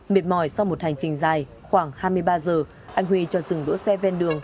mệt mỏi sau một hành trình dài khoảng hai mươi ba giờ anh huy cho dừng đỗ xe ven đường